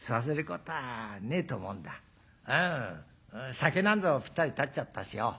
酒なんぞぴったり断っちゃったしよ